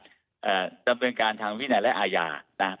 อ่าดำเนินการทางวินัยและอาญานะครับ